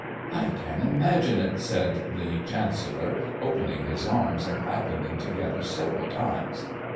"I can imagine it," said the chancellor, opening his arms and clapping them together several times.